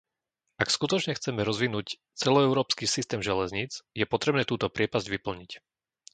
Ak skutočne chceme rozvinúť celoeurópsky systém železníc, je potrebné túto priepasť vyplniť.